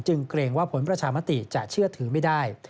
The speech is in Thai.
เกรงว่าผลประชามติจะเชื่อถือไม่ได้